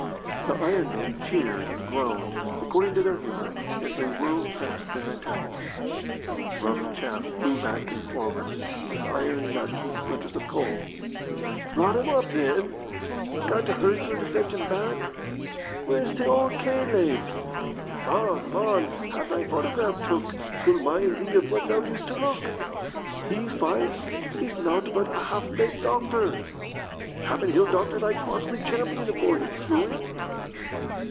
The iron men cheered and groaned, according to their humour, as they whirled past their antagonist. Rough chaff flew back and forwards like iron nuts and splinters of coal. "Brought him up, then!" "Got t' hearse for to fetch him back?" "Where's t' owd K legs?" "Mon, mon, have thy photograph took 'twill mind thee of what thou used to look!" "He fight? he's nowt but a half baked doctor!" "Happen he'll doctor thy Croxley Champion afore he's through wi't."